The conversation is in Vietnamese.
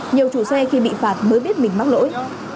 nhiều chủ xe khi bị phạt mới biết mình mắc lỗi